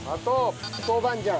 豆板醤。